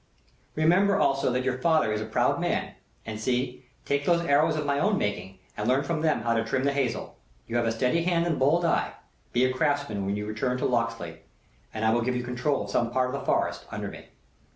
"Remember always that your father is a proud man; and see, take those arrows of my own making and learn from them how to trim the hazel. You have a steady hand and bold eye; be a craftsman when you return to Locksley, and I will give you control of some part of the forest, under me.